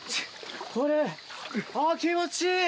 これあぁ気持ちいい！